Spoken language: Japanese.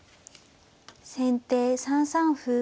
先手３三歩。